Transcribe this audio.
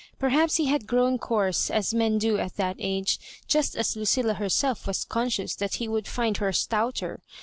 Perhaps he had grown coarse, as men do at that age, just as Lucilla herself was conscious that he would find her stouter.